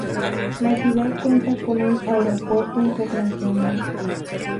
La ciudad cuenta con un aeropuerto internacional.